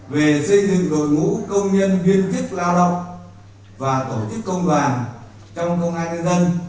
về xây dựng đội ngũ công nhân viên chức lao động và tổ chức công đoàn trong công an nhân dân